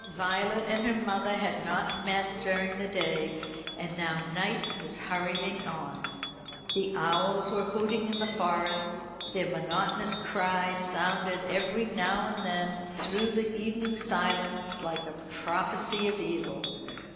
Violet and her mother had not met during the day, and now night was hurrying on. The owls were hooting in the Forest. Their monotonous cry sounded every now and then through the evening silence like a prophesy of evil.